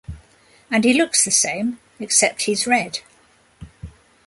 And he looks the same, except he's red.